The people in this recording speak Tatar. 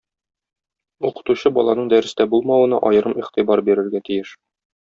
Укытучы баланың дәрестә булмавына аерым игътибар бирергә тиеш.